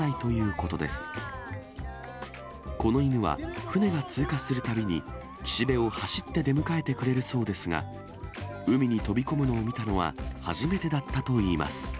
この犬は、船が通過するたびに、岸辺を走って出迎えてくれるそうですが、海に飛び込むのを見たのは初めてだったといいます。